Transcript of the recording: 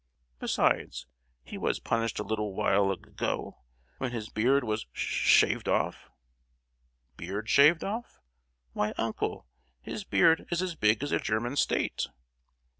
Besides, he was punished a little while a—go, when his beard was sh—shaved off!" "Beard shaved off? Why, uncle, his beard is as big as a German state!"